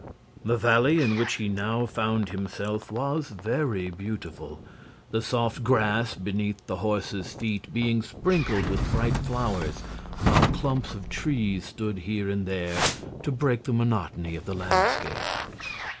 The valley in which he now found himself was very beautiful, the soft grass beneath his horse's feet being sprinkled with bright flowers, while clumps of trees stood here and there to break the monotony of the landscape.